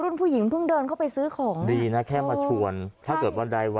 แต่ดูแล้วน่ากลัว